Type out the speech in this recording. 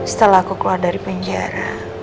setelah aku keluar dari penjara